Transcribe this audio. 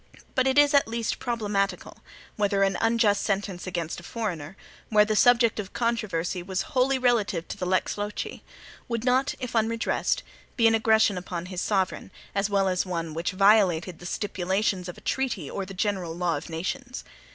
But it is at least problematical, whether an unjust sentence against a foreigner, where the subject of controversy was wholly relative to the lex loci, would not, if unredressed, be an aggression upon his sovereign, as well as one which violated the stipulations of a treaty or the general law of nations.